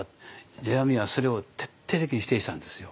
世阿弥はそれを徹底的に否定したんですよ。